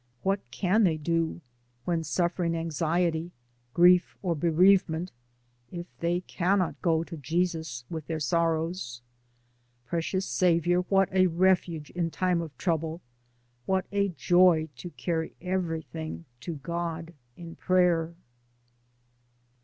What can they do, when suffering anxiety, grief, or bereavement, if they cannot go to Jesus with their sorrows? Precious Saviour, what a refuge in time of trouble, what a joy to carry everything to God in prayer.